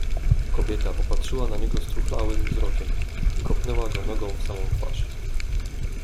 "Kobieta popatrzyła na niego struchlałym wzrokiem i kopnęła go nogą w samą twarz."